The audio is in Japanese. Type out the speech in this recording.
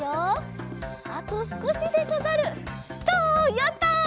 やった！